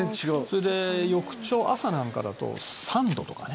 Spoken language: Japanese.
「それで翌朝朝なんかだと３度とかね」